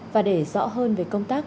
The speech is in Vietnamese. và để rõ hơn về công tác